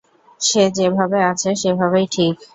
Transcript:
সে যেভাবে আছে সেভাবেই ঠিক।